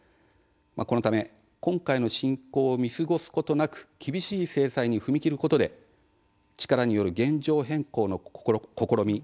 このため、今回の侵攻を見過ごすことなく厳しい制裁に踏み切ることで力による現状変更の試み